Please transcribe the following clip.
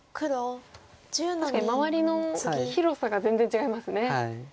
確かに周りの広さが全然違いますね。